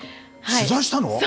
取材したの？